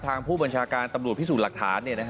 ทางผู้บัญชาการตำรวจพิสูจน์หลักฐาน